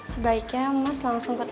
sebaiknya mas langsung ketemu